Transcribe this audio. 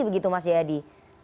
begitu mas jayadi